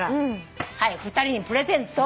はい２人にプレゼント。